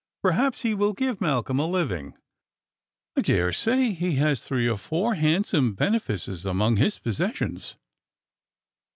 Perhaps he will give Malcolm a living ; I daresay he has three or four handsome benefices among his possessions."